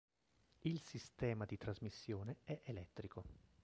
Il sistema di trasmissione è elettrico.